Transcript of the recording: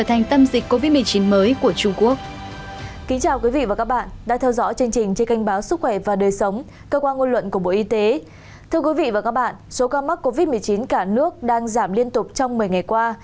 thưa quý vị và các bạn số ca mắc covid một mươi chín cả nước đang giảm liên tục trong một mươi ngày qua